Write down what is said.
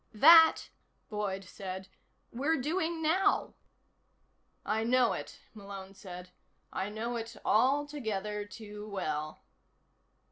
"That," Boyd said, "we're doing now." "I know it," Malone said. "I know it altogether too well."